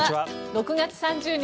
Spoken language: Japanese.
６月３０日、